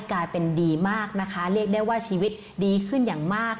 กลายเป็นดีมากนะคะเรียกได้ว่าชีวิตดีขึ้นอย่างมาก